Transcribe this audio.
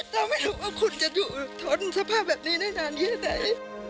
เราไม่รู้ว่าคุณจะถูกทนสภาพแบบนี้ได้นานแค่ไหน